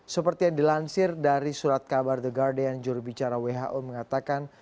seperti yang dilansir dari surat kabar the guardian jurubicara who mengatakan